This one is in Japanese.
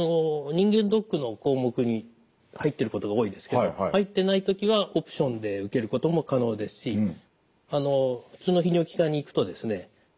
人間ドックの項目に入ってることが多いですけど入ってない時はオプションで受けることも可能ですし普通の泌尿器科に行くとですね